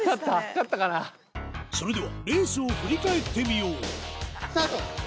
それではレースを振り返ってみようスタート！